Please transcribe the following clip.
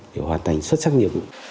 để hoàn thành xuất sắc nhiệm vụ